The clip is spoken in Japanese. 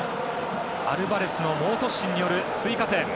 アルバレスの猛突進による追加点。